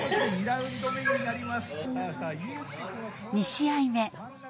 ２試合目。